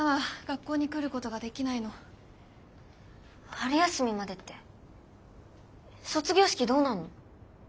春休みまでって卒業式どうなんの？